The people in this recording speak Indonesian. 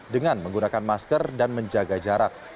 dengan menggunakan masker dan menjaga jarak